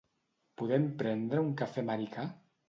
Podem prendre un cafè americà?